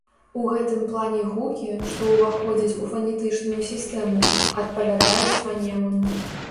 У гэтым плане гукі, што ўваходзяць у фанетычную сістэму, адпавядаюць фанемам.